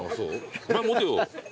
お前持てよ。